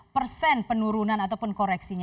dua belas delapan persen penurunan ataupun koreksinya